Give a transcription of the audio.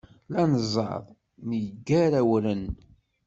La neẓẓad, neggar awren.